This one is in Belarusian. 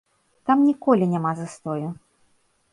Там ніколі няма застою.